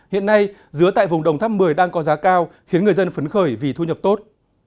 hiện nay dứa tại vùng đồng tháp một mươi đang có giá cao khiến người dân phấn khởi vì thu nhập tốt